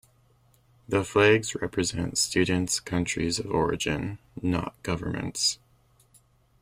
The flags represent students' countries of origin, not governments.